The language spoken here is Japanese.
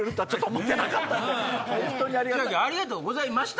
千秋「ありがとうございました」